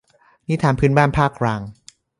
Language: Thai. นิทานพื้นบ้านภาคกลาง